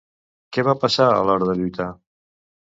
Què va passar a l'hora de lluitar?